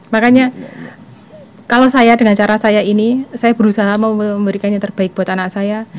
makanya kalau saya dengan cara saya ini saya berusaha memberikan yang terbaik buat anak saya